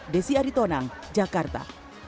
desi aritonang jakarta